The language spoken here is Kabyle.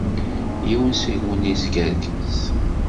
Yiwen seg-wen yeskerkis.